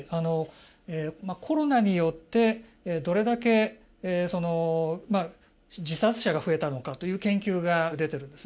コロナによってどれだけ自殺者が増えたのかという研究が出てるんです。